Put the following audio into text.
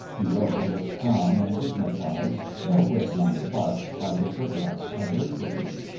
Pierrot was strong and dignified, no whit nonplussed by this abrupt publicity.